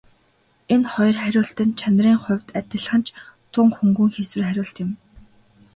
Энэ хоёр хариулт нь чанарын хувьд адилхан ч тун хөнгөн хийсвэр хариулт юм.